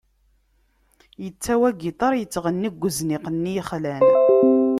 Yettawi agiṭar, yettɣenni deg uzniq-nni yexlan.